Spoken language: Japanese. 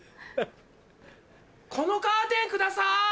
このカーテンください！